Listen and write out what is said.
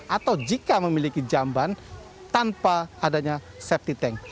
atau jika memiliki jamban tanpa adanya safety tank